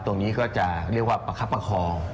ตรงนี้ก็จะเรียกว่าประคับประคอง